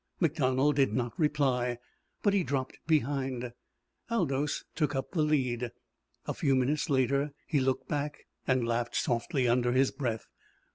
MacDonald did not reply, but he dropped behind. Aldous took up the lead. A few minutes later he looked back, and laughed softly under his breath.